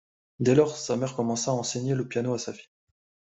Dès lors, sa mère commença à enseigner le piano à sa fille.